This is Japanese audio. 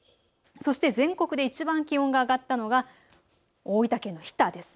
そして全国でいちばん気温が上がったのは大分県の日田です。